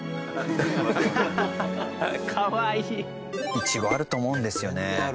いちごあると思うんですよね。